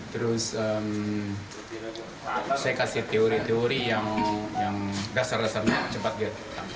terus saya kasih teori teori yang dasar dasarnya cepat dia